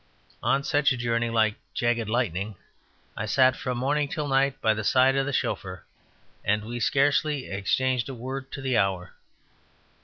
On such a journey, like jagged lightning, I sat from morning till night by the side of the chauffeur; and we scarcely exchanged a word to the hour.